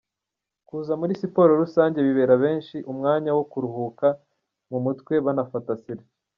Kuza muri Siporo rusange bibera benshi umwanya wo kuruhuka mu mutwe banafata Selfie.